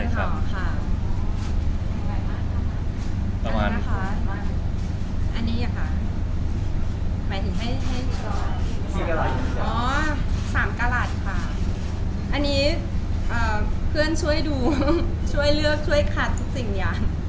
ใช่ครับตรงนั้นนะคะอันนี้ค่ะหมายถึงให้๓กราดค่ะอันนี้เพื่อนช่วยดูช่วยเลือกช่วยคัดทุกสิ่งอย่าง